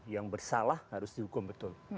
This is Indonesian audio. yang bersalah harus dihukum betul